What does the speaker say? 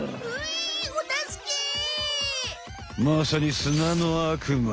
まさにすなの悪魔。